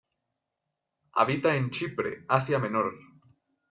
Habita en Chipre, Asia Menor.